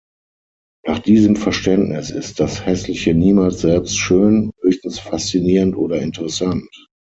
Nach diesem Verständnis ist das Hässliche niemals selbst schön, höchstens faszinierend oder interessant.